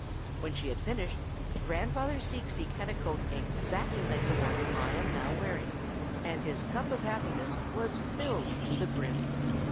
When she had finished Grandfather Seek Seek had a coat exactly like the one I am now wearing, and his cup of happiness was filled to the brim.